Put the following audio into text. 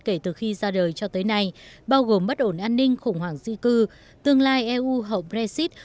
kể từ khi ra đời cho tới nay bao gồm bất ổn an ninh khủng hoảng di cư tương lai eu hậu brexit